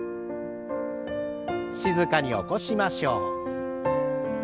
静かに起こしましょう。